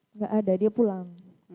enggak ada dia pulang